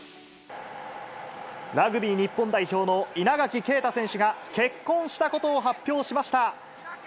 ラグビー日本代表の稲垣啓太選手が、結婚したことを発表しました。